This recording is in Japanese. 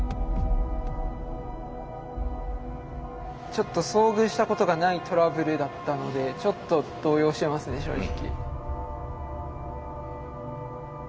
ちょっと遭遇したことがないトラブルだったのでちょっと動揺してますね正直。